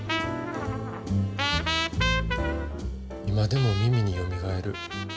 今でも耳によみがえる。